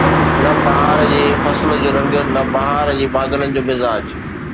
نه بهار جي فصل جو رنگ، نه بهار جي بادلن جو مزاج